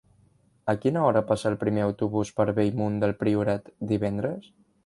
A quina hora passa el primer autobús per Bellmunt del Priorat divendres?